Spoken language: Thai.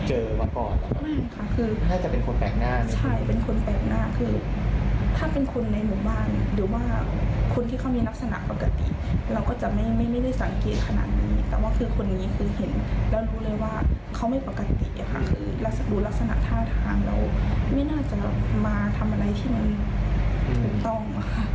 เราก็จะไม่ได้สังเกตขนาดนี้แต่ว่าคือคนนี้คือเห็นแล้วรู้เลยว่าเขาไม่ปกติคือดูลักษณะท่าทางเราไม่น่าจะมาทำอะไรที่ไม่ถูกต้อง